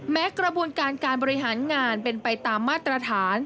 กระบวนการการบริหารงานเป็นไปตามมาตรฐาน